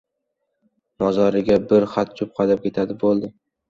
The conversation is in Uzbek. Mozoriga bir xochcho‘p qadab ketadi — bo‘ldi!